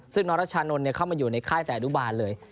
ซึ่งน้องรัชานนท์เข้ามาอยู่ในค่ายแต่อนุบาลเลย